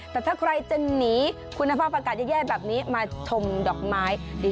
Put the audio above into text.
แต่ถ้าใครจะหนีคุณภาพอากาศแย่แบบนี้มาชมดอกไม้ดี